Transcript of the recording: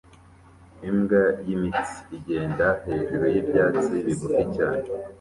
Imbwa y'imitsi igenda hejuru y'ibyatsi bigufi cyane